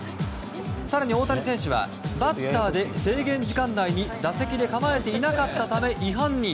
更に大谷選手は、バッターで制限時間内に、打席で構えていなかったため違反に。